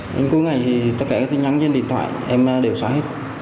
đến cuối ngày thì tất cả các tin nhắn trên điện thoại em đều xóa hết